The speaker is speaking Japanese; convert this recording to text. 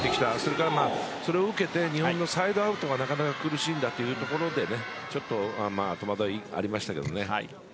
それを受けて日本のサイドアウトがなかなか苦しんだというところで戸惑いがありましたけどね。